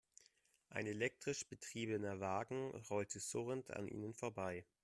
Ein elektrisch betriebener Wagen rollte surrend an ihnen vorbei.